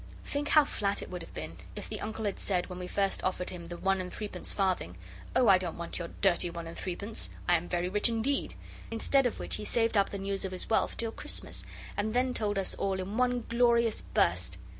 Think how flat it would have been if the Uncle had said, when we first offered him the one and threepence farthing, 'Oh, I don't want your dirty one and three pence! I'm very rich indeed.' Instead of which he saved up the news of his wealth till Christmas, and then told us all in one glorious burst.